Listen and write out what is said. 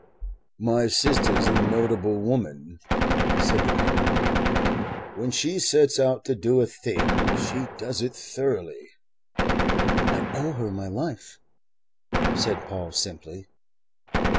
"My sister's a notable woman," said the Colonel. "When she sets out to do a thing she does it thoroughly." "I owe her my life," said Paul simply.